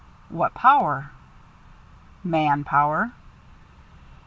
"What power?" "Man power."